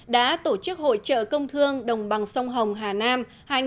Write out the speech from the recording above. đã tổ chức hội trợ công thương đồng bằng sông hồng hà nam hai nghìn một mươi bảy